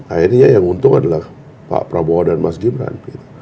akhirnya yang untung adalah pak prabowo dan mas gibran